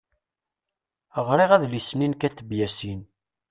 Ɣriɣ adlis-nni n Kateb Yasin.